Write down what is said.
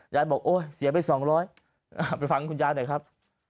ยายบอกโอ๊ยเสียไปสองร้อยไปฟังคุณยายหน่อยครับ